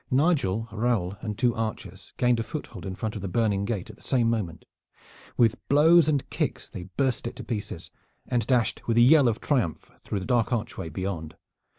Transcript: Nigel, Raoul and two archers gained a foothold in front of the burning gate at the same moment. With blows and kicks they burst it to pieces, and dashed with a yell of triumph through the dark archway beyond.